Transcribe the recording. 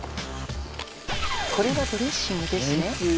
これがドレッシングですね。